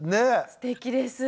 すてきです。